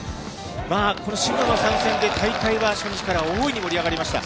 まあ、この渋野参戦で、大会は初日から大いに盛り上がりました。